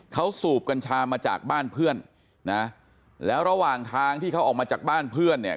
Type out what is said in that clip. เขาสูบกัญชามาจากบ้านเพื่อนนะแล้วระหว่างทางที่เขาออกมาจากบ้านเพื่อนเนี่ย